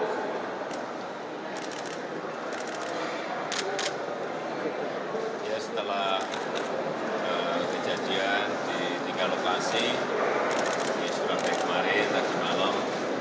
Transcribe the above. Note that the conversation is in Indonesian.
ya setelah kejadian di tiga lokasi di surabaya kemarin tadi malam